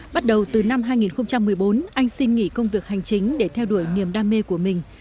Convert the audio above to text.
bắt đầu từ năm hai nghìn một mươi bốn anh xin nghỉ công việc hành chính để theo đuổi niềm đam mê của mình